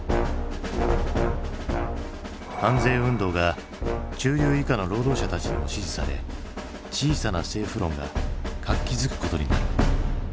反税運動が中流以下の労働者たちにも支持され小さな政府論が活気づくことになる。